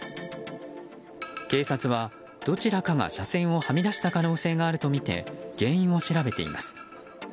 警察はどちらかが車線をはみ出した可能性があるとみて原因を調べています。